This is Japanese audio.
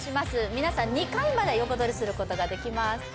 皆さん２回まで横取りすることができます